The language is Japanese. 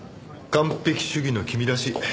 完璧主義の君らしい。